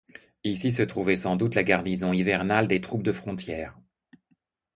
Ici se trouvait sans doute la garnison hivernale des troupes de frontière.